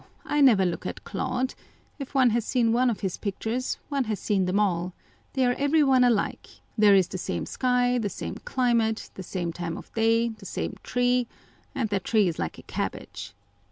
I never look at Claude : if one has seen one of his pictures, one has seen them all ; they are every one alike : there is the same sky, the same climate, the same time of day, the same tree, and that tree is like a cabbage.